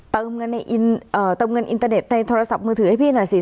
เติมเงินในอินเอ่อเติมเงินอินเตอร์เน็ตในโทรศัพท์มือถือให้พี่หน่อยสิ